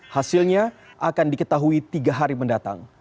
hasilnya akan diketahui tiga hari mendatang